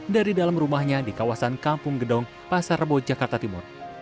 dari dalam rumahnya di kawasan kampung gedong pasar rebo jakarta timur